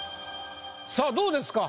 さあどうですか？